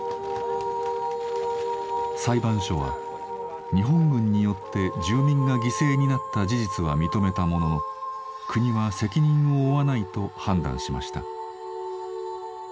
裁判所は日本軍によって住民が犠牲になった事実は認めたものの国は責任を負わないと判断しました。